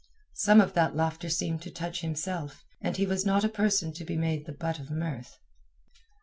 Some of that laughter seemed to touch himself, and he was not a person to be made the butt of mirth.